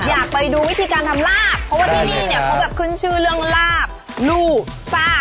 อยากไปดูวิธีการทำลาบเพราะว่าที่นี่เนี่ยเขาแบบขึ้นชื่อเรื่องลาบลู่ซ่า